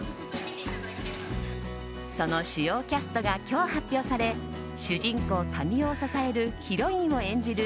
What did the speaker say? その主要キャストが今日、発表され主人公・民夫を支えるヒロインを演じる